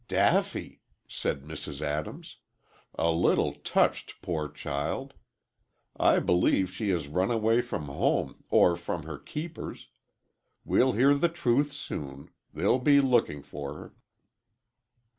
"Daffy," said Mrs. Adams. "A little touched, poor child. I believe she has run away from home or from her keepers. We'll hear the truth soon. They'll be looking for her."